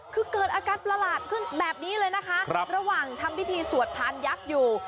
คือเกิดอาการประหลาดขึ้นแบบนี้เลยนะคะระหว่างทำพิธีสวดพานยักษ์อยู่